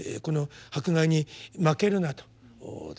この迫害に負けるなと。